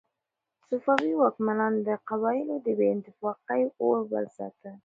صفوي واکمنانو د قبایلو د بې اتفاقۍ اور بل ساته.